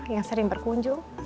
yang sering berkunjung